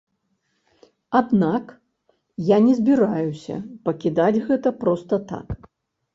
Аднак я не збіраюся пакідаць гэта проста так.